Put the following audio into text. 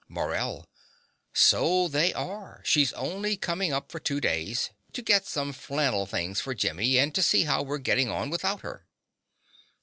MORELL. So they are: she's only coming up for two days, to get some flannel things for Jimmy, and to see how we're getting on without her.